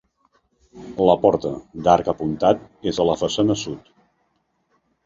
La porta, d'arc apuntat, és a la façana sud.